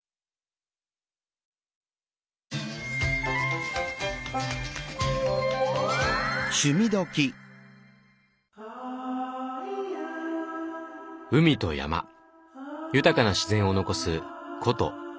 海と山豊かな自然を残す古都鎌倉。